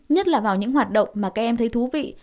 nhất là vào những hoạt động mà các em thấy thú vị